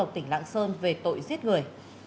tỉnh lạng sơn về tội giết người